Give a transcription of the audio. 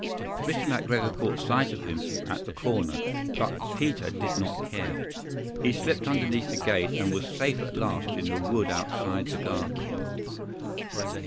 Mr. McGregor caught sight of him at the corner, but Peter did not care. He slipped underneath the gate, and was safe at last in the wood outside the garden.